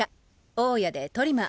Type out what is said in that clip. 大家でトリマー。